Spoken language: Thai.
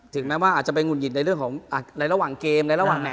ถึงแม้ว่าอาจจะไปหลายระหว่างเกม